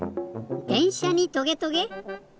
でんしゃにトゲトゲ？